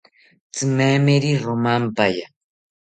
Tzimemeri romampaya